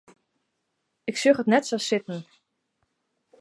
Ik sjoch it net sa sitten.